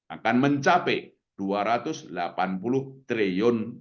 akan mencapai rp dua ratus delapan puluh triliun